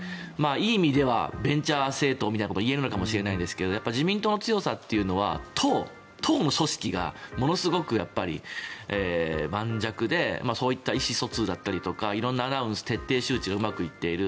いい意味ではベンチャー政党みたいなことも言えるのかもしれないですが自民党の強さというのは党の組織がものすごく盤石でそういった意思疎通とか色んなアナウンス、徹底周知がうまくいっている。